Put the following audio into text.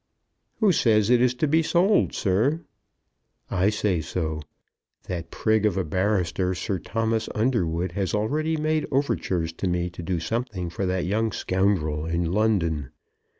"Who says it is to be sold, sir?" "I say so. That prig of a barrister, Sir Thomas Underwood, has already made overtures to me to do something for that young scoundrel in London.